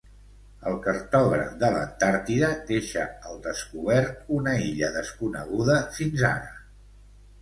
El cartògraf de l'Antàrtida deixa al descobert una illa desconeguda fins ara.